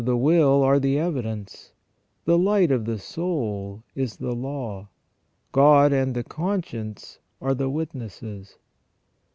the will are the evidence ; the light of the soul is the law ; God and the conscience are the witnesses.